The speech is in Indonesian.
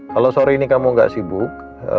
kalau sore ini kamu gak sibuk